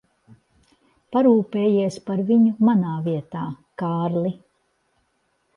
Parūpējies par viņu manā vietā, Kārli.